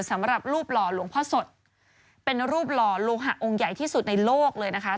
สำหรับรูปหล่อหลวงพ่อสดเป็นรูปหล่อโลหะองค์ใหญ่ที่สุดในโลกเลยนะคะ